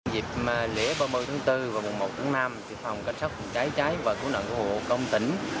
dịp lễ ba mươi tháng bốn và mùa một tháng năm phòng cách sát phòng cháy cháy và cố nạn cố hộ công tỉnh